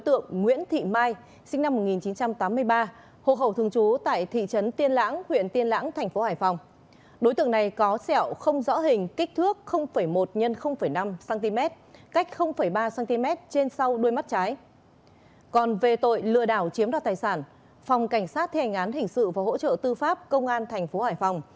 tội lừa đảo chiếm đoạt tài sản phòng cảnh sát theo hành án hình sự và hỗ trợ tư pháp công an tp hải phòng